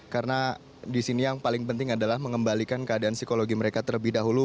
karena di sini yang paling penting adalah mengembalikan keadaan psikologi mereka terlebih dahulu